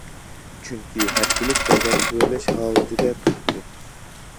چۈنكى ھەپتىلىك بازار تۆۋەنلەش ھالىتىدە توختىدى.